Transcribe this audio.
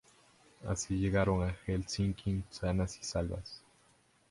Así llegaron a Helsinki sanas y salvas.